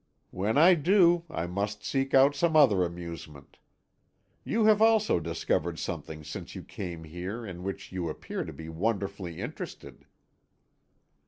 "When I do I must seek out some other amusement. You have also discovered something since you came here in which you appear to be wonderfully interested."